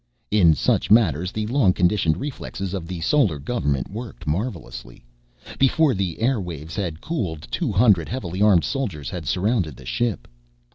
In such matters, the long conditioned reflexes of the Solar Government worked marvelously. Before the air waves had cooled, two hundred heavily armed soldiers had surrounded the ship.